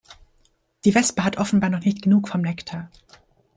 Die Wespe hat offenbar noch nicht genug vom Nektar.